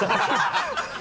ハハハ